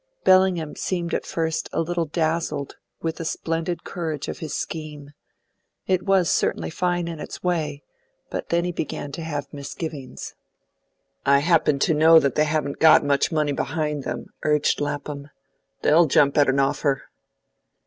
Bellingham seemed at first a little dazzled with the splendid courage of his scheme; it was certainly fine in its way; but then he began to have his misgivings. "I happen to know that they haven't got much money behind them," urged Lapham. "They'll jump at an offer."